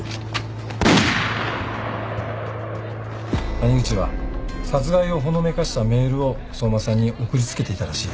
谷口は殺害をほのめかしたメールを相馬さんに送りつけていたらしい。